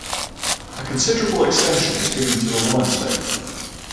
A considerable extension is given to the limestone.